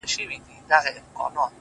ځه پرېږده وخته نور به مي راويښ کړم ـ